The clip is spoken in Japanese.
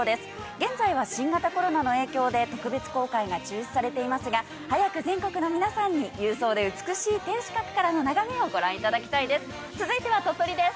現在は新型コロナの影響で、特別公開が中止されていますが、早く全国の皆さんに勇壮で美しい天守閣からの眺めをご覧いただきたいです。